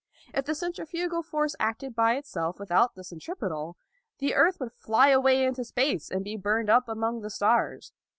If the centrifugal force acted by itself without the centripetal, the earth would fly away into space and be burned up among the stars.